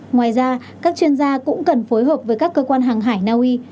ngoài ra các chuyên gia cũng cần phối hợp với các cơ quan hàng hải naui